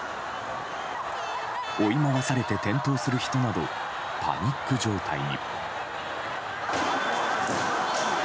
追い回されて転倒する人などパニック状態に。